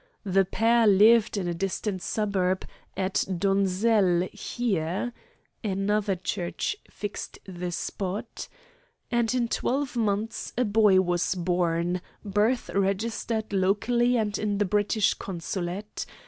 The pair lived in a distant suburb, at Donzelle here" (another church fixed the spot), "and in twelve months a boy was born, birth registered locally and in the British Consulate.